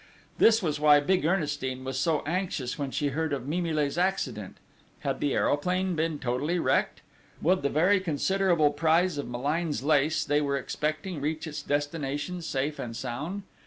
This was why big Ernestine was so anxious when she heard of Mimile's accident. Had the aeroplane been totally wrecked? Would the very considerable prize of Malines lace they were expecting reach its destination safe and sound?